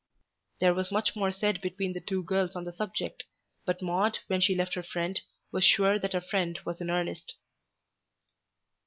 There was much more said between the two girls on the subject, but Maude when she left her friend was sure that her friend was in earnest.